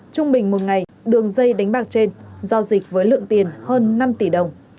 trung bình một ngày đường dây đánh bạc trên giao dịch với lượng tiền hơn năm tỷ đồng